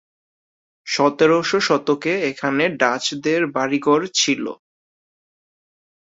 সতেরো শতকে এখানে ডাচদের বাড়িঘর ছিল।